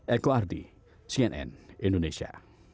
eko ardi cnn indonesia